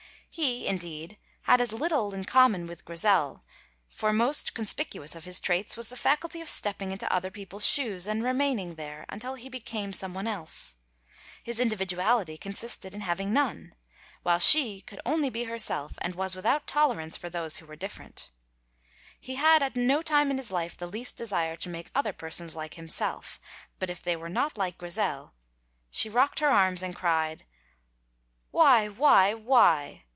He, indeed, had as little in common with Grizel, for most conspicuous of his traits was the faculty of stepping into other people's shoes and remaining there until he became someone else; his individuality consisted in having none, while she could only be herself and was without tolerance for those who were different; he had at no time in his life the least desire to make other persons like himself, but if they were not like Grizel she rocked her arms and cried, "Why, why, why?"